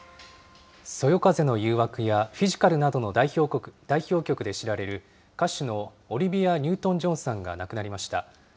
そよ風の誘惑や、フィジカルなどの代表曲で知られる、歌手のオリビア・ニュートンジョンさんが亡くなりました。